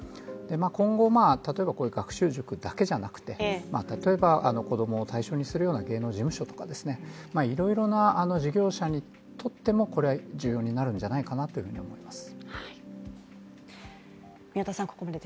今後、学習塾だけじゃなくて子供を対象にするような芸能事務所とか、いろいろな事業者にとってもこれは重要になるんじゃないかなと思います。